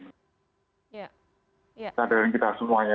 kesadaran kita semuanya